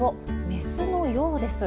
メスのようです。